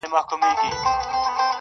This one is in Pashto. اوس يې صرف غزل لولم، زما لونگ مړ دی.